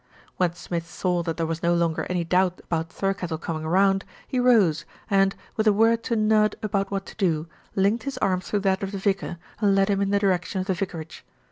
When Smith saw that there was no longer any doubt about Thirkettle coming round, he rose and, with a word to Nudd about what to do, linked his arm through that of the vicar, and led him in the direction of the vicarage.